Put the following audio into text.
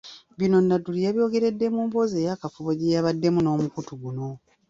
Bino Nadduli yabyogeredde mu mboozi ey'akafubo gye yabaddemu n'omukutu guno.